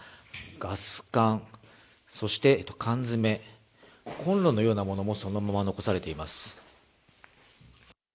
ガス缶、そして缶詰、コンロのようなものもそのまま残されています。